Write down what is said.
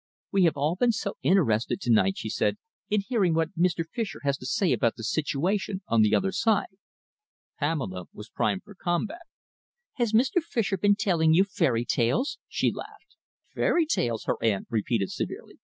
"We have all been so interested to night," she said, "in hearing what Mr. Fischer has to say about the situation on the other side." Pamela was primed for combat. "Has Mr. Fischer been telling you fairy tales?" she laughed. "Fairy tales?" her aunt repeated severely.